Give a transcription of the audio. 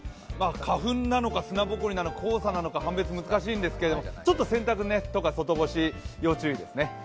花粉なのか砂ぼこりりのか黄砂なのか判別、難しいですけどちょっと洗濯とか外干し、要注意ですね。